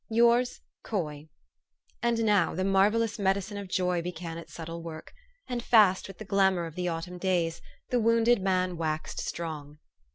Yours, " COY.' And now the marvellous medicine of joy began its subtle work ; and fast, with the glamour of the autumn days, the wounded man waxed strong.